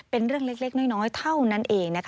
เป็นเรื่องเล็กน้อยเท่านั้นเอง